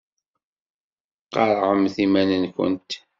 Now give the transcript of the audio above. Qarɛemt iman-nkent.